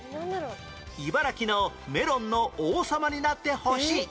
「茨城のメロンの王様になってほしい」